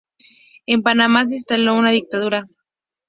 En Panamá se instaló una dictadura.